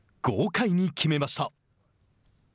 豪快に決めました。